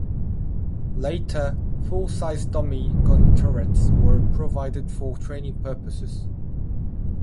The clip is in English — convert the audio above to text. Later, full-sized dummy gun turrets were provided for training purposes.